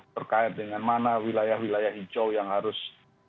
terkait dengan mana wilayah wilayah hijau yang harus